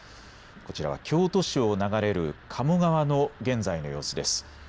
こちらは京都市を流れる鴨川の現在の様子です。